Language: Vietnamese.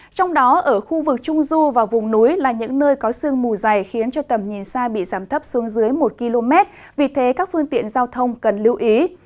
trong đó ở khu vực trung du và vùng núi là những nơi có sương mù dày khiến cho tầm nhìn xa bị giảm thấp xuống dưới một km vì thế các phương tiện giao thông cần lưu ý